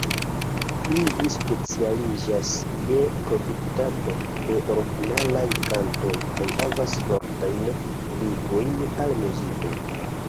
Ili specialiĝas je produktado de originalaj kantoj kaj havas fortajn ligojn al muziko.